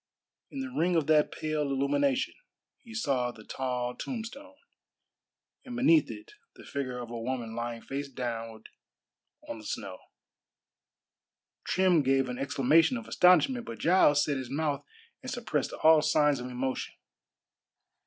In the ring of that pale illumination he saw the tall tombstone, and beneath it the figure of a woman lying face downward on the snow. Trim gave an exclamation of astonishment, but Giles set his mouth and suppressed all signs of emotion.